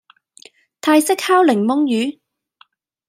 泰式烤檸檬魚